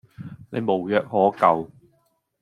你無藥可救